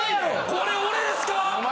これ俺ですか。